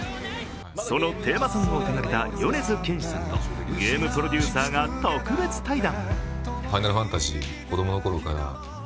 そのテーマソングを手がけた米津玄師さんとゲームプロデューサーが特別対談。